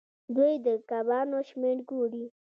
دوی د کبانو شمیر ګوري.